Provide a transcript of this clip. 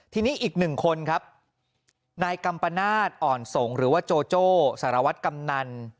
ทีนี้อีกหนึ่งคนครับนายกัมปนาศอ่อนสงศ์หรือว่าโจโจ้สารวัตรกำนัน